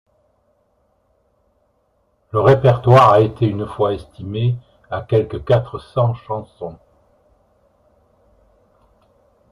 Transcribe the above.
Le répertoire a été une fois estimé à quelque quatre cents chansons.